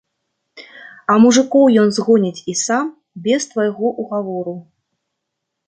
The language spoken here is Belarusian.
А мужыкоў ён згоніць і сам, без твайго ўгавору.